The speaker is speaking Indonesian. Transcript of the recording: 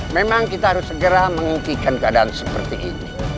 memang kita harus segera menghentikan keadaan seperti ini